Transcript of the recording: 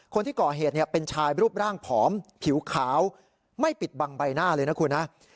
คนที่ก่อเหตุเป็นชายรูปร่างผอมผิวขาวไม่ปิดบังใบหน้าเลยนะคุณนะ